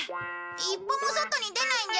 一歩も外に出ないんじゃなかったの？